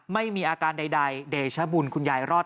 ไม่มีอาการใดเดชบุญคุณยายรอด